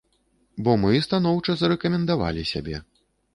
Бо мы станоўча зарэкамендавалі сябе.